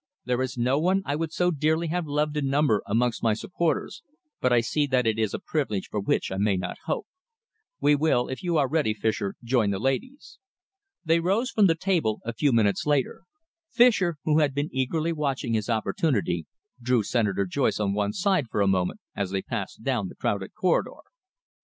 There is no one I would so dearly have loved to number amongst my supporters, but I see that it is a privilege for which I may not hope.... We will, if you are ready, Fischer, join the ladies." They rose from the table a few minutes later. Fischer, who had been eagerly watching his opportunity, drew Senator Joyce on one side for a moment as they passed down the crowded corridor.